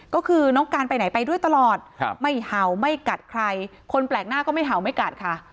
ก็คือน้องการไปไหนไปด้วยตลอดไม่เห่าไม่กัดใครคนแปลกหน้าก็ไม่เห่าไม่กัดค่ะ